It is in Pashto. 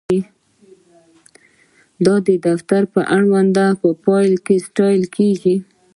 دا د دفتر په اړونده فایل کې ساتل کیږي.